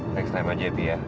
next time aja pi ya